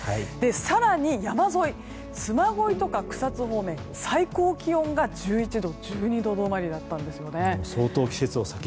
更に山沿い嬬恋とか草津方面最高気温が１１度とか１２度止まりだったんですね。